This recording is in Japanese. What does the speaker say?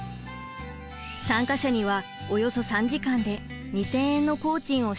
参加者にはおよそ３時間で２，０００円の工賃を支給。